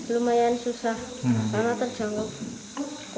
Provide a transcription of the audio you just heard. lumayan susah karena terjangkau